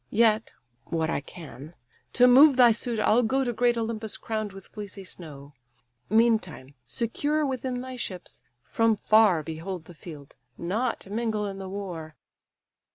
Yet (what I can) to move thy suit I'll go To great Olympus crown'd with fleecy snow. Meantime, secure within thy ships, from far Behold the field, not mingle in the war.